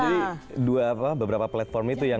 jadi dua apa beberapa platform itu yang